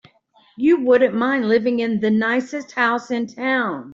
You wouldn't mind living in the nicest house in town.